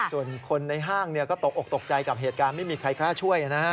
ส่วนคนในห้างก็ตกออกตกใจกับเหตุการณ์ไม่มีใครกล้าช่วยนะฮะ